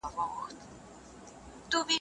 پر ایینې باندې رغوي مه ږدئ.